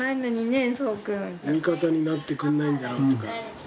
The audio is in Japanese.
味方になってくんないんだなとか。